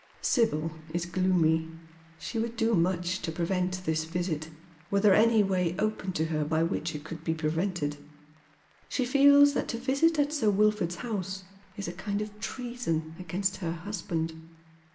Sibyl is gloomy. She would do much to prevent this visit, were there any way open to her by which it could be prevented. She feels that to visit at Sir Wilford's house is a kind of treason against her husband.